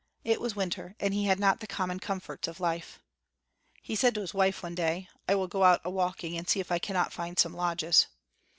It was winter, and he had not the common comforts of life. He said to his wife one day: "I will go out a walking and see if I can not find some lodges."